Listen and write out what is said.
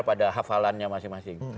pada hafalannya masing masing